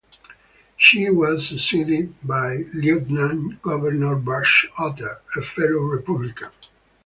She was succeeded by Lieutenant Governor Butch Otter, a fellow Republican.